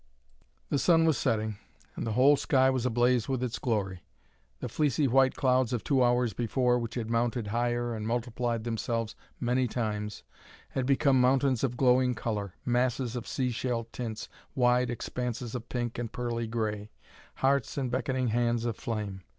The sun was setting, and the whole sky was ablaze with its glory. The fleecy white clouds of two hours before, which had mounted higher and multiplied themselves many times, had become mountains of glowing color, masses of sea shell tints, wide expanses of pink and pearly gray, hearts and beckoning hands of flame.